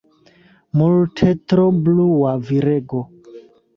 Multe tro blua, virego.